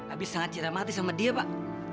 habis sangat cinta mati sama dia pak